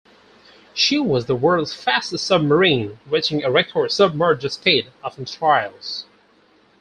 She was the world's fastest submarine, reaching a record submerged speed of on trials.